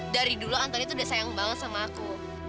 dari dulu anthony tuh udah sayang banget sama aku